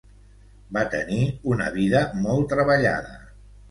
Va tenir una vida molt treballada.